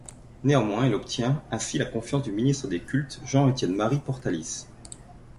Néanmoins, il obtient ainsi la confiance du ministre des cultes, Jean-Étienne-Marie Portalis.